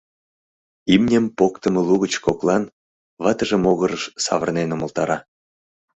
— «имньым» поктымо лугыч коклан ватыже могырыш савырнен умылтара.